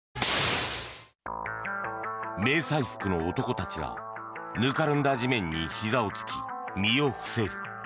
迷彩服の男たちがぬかるんだ地面にひざをつき身を伏せる。